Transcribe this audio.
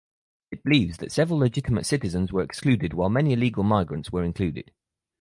It believes that several legitimate citizens were excluded while many illegal migrants were included.